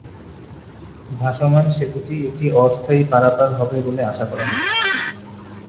ভাসমান সেতুটি একটি অস্থায়ী পারাপার হবে বলে আশা করা হচ্ছে।